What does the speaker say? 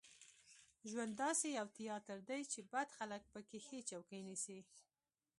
ژوند داسې یو تیاتر دی چې بد خلک په کې ښې چوکۍ نیسي.